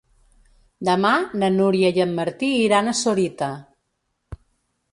Demà na Núria i en Martí iran a Sorita.